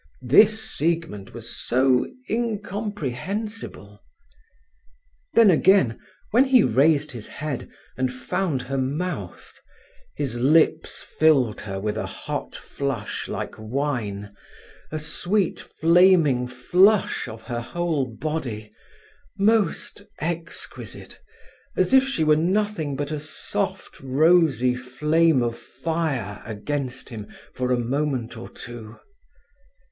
This Siegmund was so incomprehensible. Then again, when he raised his head and found her mouth, his lips filled her with a hot flush like wine, a sweet, flaming flush of her whole body, most exquisite, as if she were nothing but a soft rosy flame of fire against him for a moment or two.